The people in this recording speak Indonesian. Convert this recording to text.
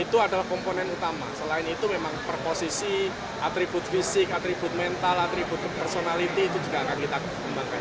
itu adalah komponen utama selain itu memang per posisi atribut fisik atribut mental atribut personality itu juga akan kita kembangkan